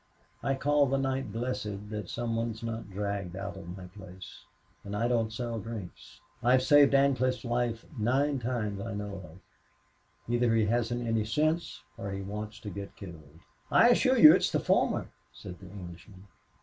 I call the night blessed that some one is not dragged out of my place. And I don't sell drinks.... I've saved Ancliffe's life nine times I know of. Either he hasn't any sense or he wants to get killed." "I assure you it's the former," said the Englishman.